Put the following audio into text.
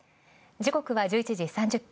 時刻は、１１時３０分。